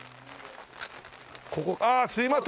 ここああすいません